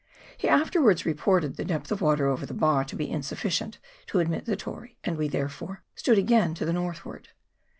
He afterwards reported the depth of water over the bar to be insufficient to admit the Tory, and we therefore stood again to the northward.